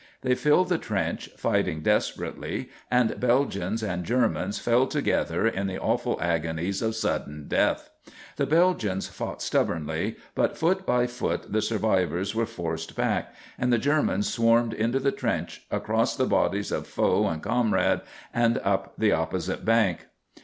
They filled the trench, fighting desperately, and Belgians and Germans fell together in the awful agonies of sudden death. The Belgians fought stubbornly, but foot by foot the survivors were forced back, and the Germans swarmed into the trench, across the bodies of foe and comrade, and up the opposite bank.